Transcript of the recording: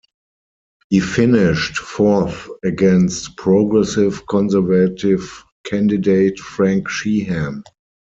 He finished fourth against Progressive Conservative candidate Frank Sheehan.